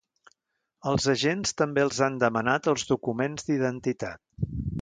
Els agents també els han demanat els documents d’identitat.